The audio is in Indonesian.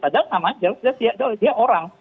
padahal namanya jelas jelas dia orang